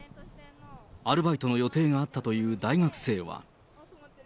アルバイトの予定があったという大学生は。